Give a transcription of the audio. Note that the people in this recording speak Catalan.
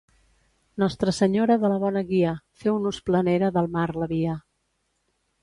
Nostra Senyora de la Bona Guia, feu-nos planera del mar la via.